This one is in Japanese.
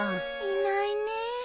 いないねえ。